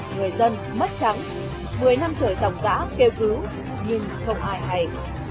người dân mất trắng một mươi năm trời tỏng giã kêu cứu nhưng không ai hay